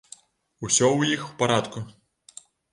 Усё ў іх у парадку.